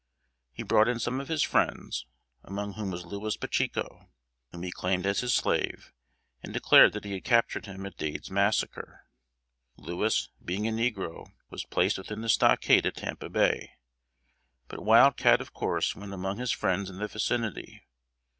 He brought in some of his friends, among whom was Lewis Pacheco, whom he claimed as his slave, and declared that he had captured him at Dade's massacre. Lewis, being a negro, was placed within the stockade at Tampa Bay, but Wild Cat of course went among his friends in the vicinity.